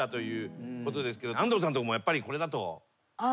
安藤さんとこもやっぱりこれだと？